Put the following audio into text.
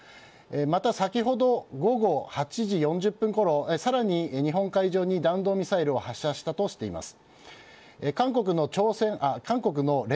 また、先ほど８時４０分ごろ日本海側に弾道ミサイルを発射したとしています。